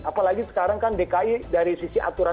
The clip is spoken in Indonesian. apalagi sekarang kan dki dari sisi aturan